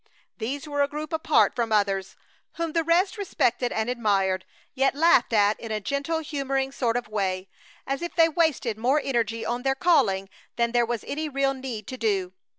These were a group apart from others, whom the rest respected and admired, yet laughed at in a gentle, humoring sort of way, as if they wasted more energy on their calling than there was any real need to do.